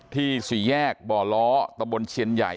ที่ศรีแยกบ่อล้อตนบรรย์เชียนใหญ่